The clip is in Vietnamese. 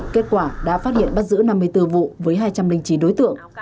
kết quả đã phát hiện bắt giữ năm mươi bốn vụ với hai trăm linh chín đối tượng